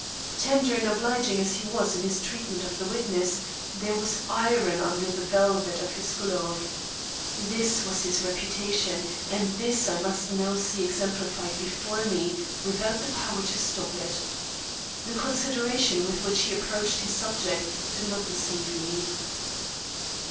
Tender and obliging as he was in his treatment of the witness, there was iron under the velvet of his glove. This was his reputation; and this I must now see exemplified before me, without the power to stop it. The consideration with which he approached his subject did not deceive me.